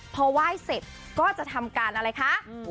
พอไหว้เสร็จก็จะทำการอะไรคะ